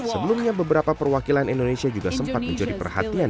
sebelumnya beberapa perwakilan indonesia juga sempat mencuri perhatian